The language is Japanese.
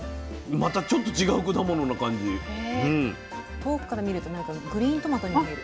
遠くから見るとグリーントマトに見える。